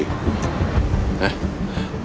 นะ